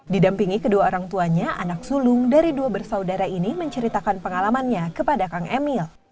didampingi kedua orang tuanya anak sulung dari dua bersaudara ini menceritakan pengalamannya kepada kang emil